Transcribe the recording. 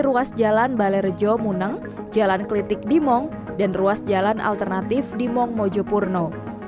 ruas jalan balerejo muneng jalan kelitik di mong dan ruas jalan alternatif di mong mojopurno